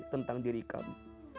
tentang diri kami